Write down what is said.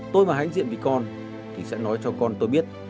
tôi mà hãnh diện với con thì sẽ nói cho con tôi biết